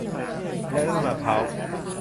และน้ำมันมะพร้าว